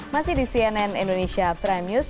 masih di cnn indonesia prime news